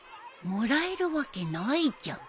もらえるわけないじゃん。